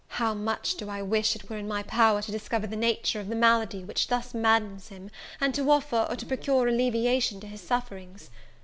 How much do I wish it were in my power to discover the nature of the malady which thus maddens him and to offer or to procure alleviation to his sufferings!